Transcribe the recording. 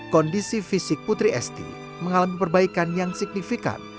kondisi fisik putri esti mengalami perbaikan yang signifikan